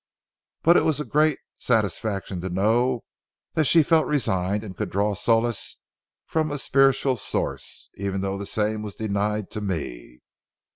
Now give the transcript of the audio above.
But it was a great satisfaction to know that she felt resigned and could draw solace from a spiritual source, even though the same was denied to me.